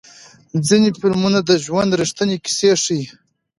ځینې فلمونه د ژوند ریښتینې کیسې ښیي.